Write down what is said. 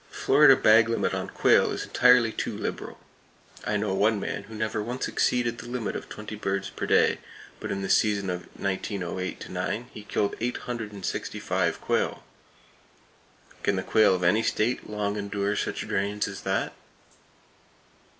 The Florida bag limit on quail is entirely too liberal. I know one man who never once exceeded the limit of twenty birds per day, but in the season of 1908 9 he killed 865 quail! Can the quail of any state long endure such drains as that?